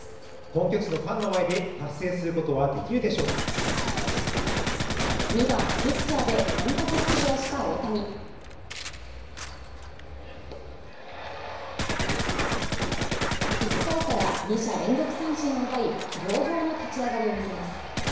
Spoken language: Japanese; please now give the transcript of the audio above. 本拠地のファンの前で達成することはできるでしょうか２番ピッチャーで先発出場した大谷１回から２者連続三振を奪い上々の立ち上がりを見せます